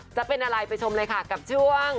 จะเป็นอะไรไปชมเลยค่ะกับช่วง